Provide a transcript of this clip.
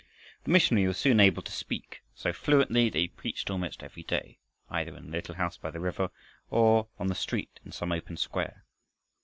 The missionary was soon able to speak so fluently that he preached almost every day, either in the little house by the river, or on the street in some open square.